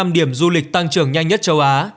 năm điểm du lịch tăng trưởng nhanh nhất châu á